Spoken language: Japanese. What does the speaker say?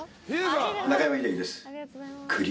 中山秀征です。